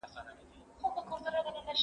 زه اوس د کتابتون پاکوالی کوم!!